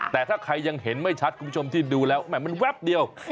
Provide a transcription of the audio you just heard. แต่ถ้าใครยังเห็นไม่ชัดคุณผู้ชมที่ดูแล้วมันแวบเดียว